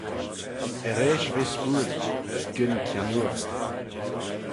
Erreish ve spooilt, as gyn kiannoort.